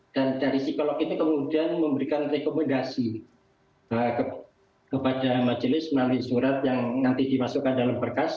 dan dari psikolog itu kemudian memberikan rekomendasi kepada majelis melalui surat yang nanti dimasukkan dalam berkas